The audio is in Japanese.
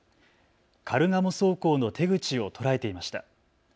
カルガモ走行の手口を捉えていました。